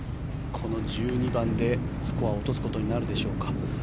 この１２番でスコアを落とすことになるでしょうか